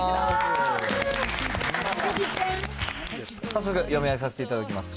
早速、読み上げさせていただきます。